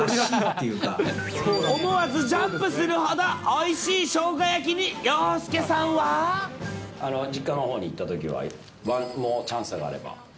思わずジャンプするほどおいしいしょうが焼きに洋介さんは。実家のほうに行ったときは、ワンモアチャンスがあれば。